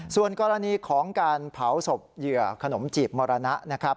ส่วนกรณีของการเผาศพเหยื่อขนมจีบมรณะนะครับ